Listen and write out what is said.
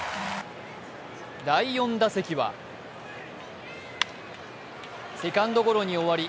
第４打席はセカンドゴロに終わり